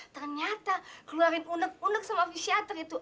ternyata keluarin unek unek sama psiator itu